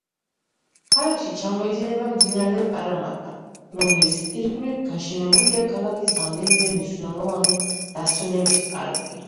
ქალაქში ჩამოედინება მდინარე პარამატა, რომლის ირგვლივ გაშენებულია ქალაქის რამდენიმე მნიშვნელოვანი დასვენების პარკი.